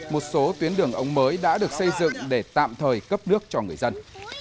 một số tuyến đường ống mới đã được xây dựng để tạm thời cấp nước cho người dân